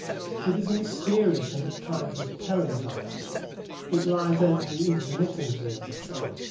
It is a mysterious and at times repellent island. It lies only intermittently in the sun.